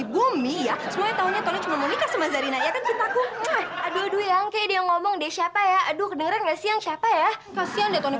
bukan abih dikejar sama ani kodok